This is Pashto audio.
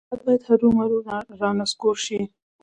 دا باید هرومرو رانسکور شي.